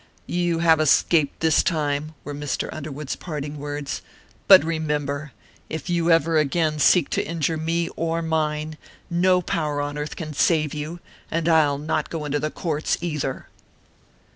"You have escaped this time," were Mr. Underwood's parting words; "but remember, if you ever again seek to injure me or mine, no power on earth can save you, and I'll not go into the courts either."